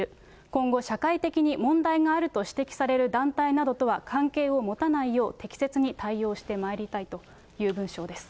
今後、社会的に問題があると指摘される団体などとは関係を持たないよう、適切に対応してまいりたいという文書です。